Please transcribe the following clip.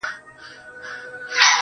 گراني انكار.